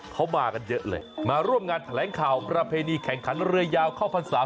เขามากันเยอะเลยมาร่วมงานแถลงข่าวประเพณีแข่งขันเรือยาวเข้าพรรษา